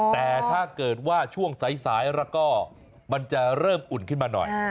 แต่ถ้าเกิดว่าช่วงสายแล้วก็มันจะเริ่มอุ่นขึ้นมาหน่อย